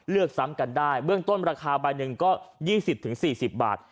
เลือกซ้ำกันได้เบื้องต้นราคาใบหนึ่งก็ยี่สิบถึงสี่สิบบาท